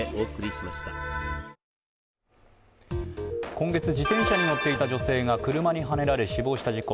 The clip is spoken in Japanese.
今月、自転車に乗っていた女性が車にはねられ死亡した事故。